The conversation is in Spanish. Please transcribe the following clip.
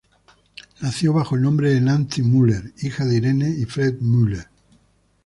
Nació bajo el nombre de Nancy Mueller, hija de Irene y Fred Mueller.